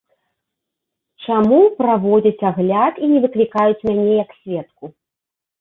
Чаму праводзяць агляд, і не выклікаюць мяне як сведку?